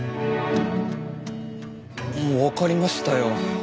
わかりましたよ。